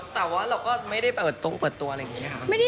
แต่ว่าเราก็ไม่ได้เปิดตรงเปิดตัวอะไรอย่างนี้ค่ะ